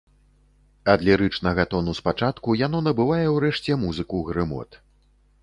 Ад лірычнага тону спачатку яно набывае ўрэшце музыку грымот.